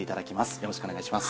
よろしくお願いします。